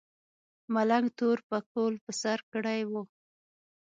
ملنګ تور پکول په سر کړی و.